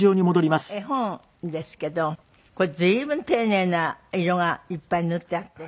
で絵本ですけどこれ随分丁寧な色がいっぱい塗ってあって。